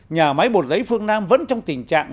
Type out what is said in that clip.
nhà máy bột giấy phương nam vẫn trong tình trạng